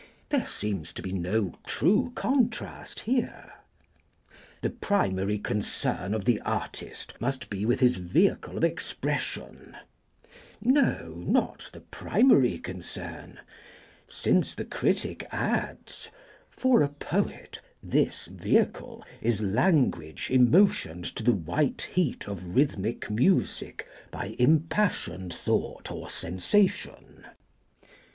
There seems to be no true contrast here. "The primary concern of the artist must be with his vehicle of expression" no not the primary concern. Since the critic adds (for a poet) "this vehicle is language emotioned to the white heat of rhythmic music by impassioned thought or sensation."